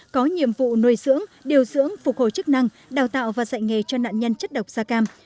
có nhiệm vụ nuôi dưỡng điều dưỡng phục hồi chức năng đào tạo và dạy nghề cho nạn nhân chất độc da cam